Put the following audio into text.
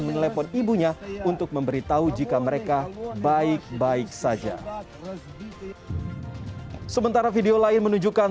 menelpon ibunya untuk memberitahu jika mereka baik baik saja sementara video lain menunjukkan